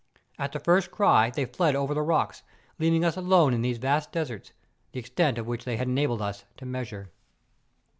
At the first cry tliey fled over the rocks, leaving us alone in these vast deserts, the extent of which they had enabled us to measure.